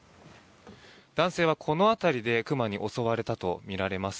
男性はこの辺りで熊に襲われたとみられます。